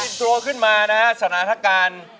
พออินโทรขึ้นมานะสนาทการณ์